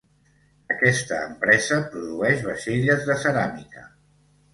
Aquesta empresa produeix vaixelles de ceràmica.